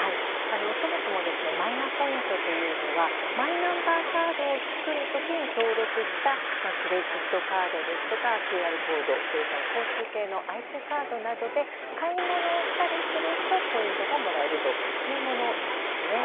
そもそもマイナポイントというのはマイナンバーカードを作る時に登録したクレジットカードですとかＱＲコードそれから交通系のＩＣカードなどで買い物をしたりするとポイントがもらえるというものなんですね。